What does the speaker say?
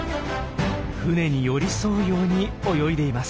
船に寄り添うように泳いでいます。